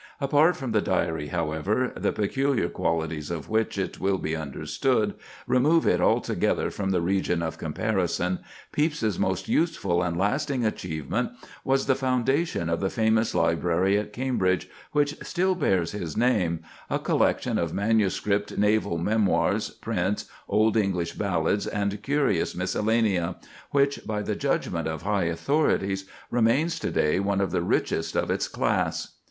Apart from the Diary, however,—the peculiar qualities of which, it will be understood, remove it altogether from the region of comparison—Pepys's most useful and lasting achievement was the foundation of the famous library at Cambridge, which still bears his name—a collection of manuscript naval memoirs, prints, old English ballads, and curious miscellanea, which, by the judgment of high authorities, remains to day one of the richest of its class.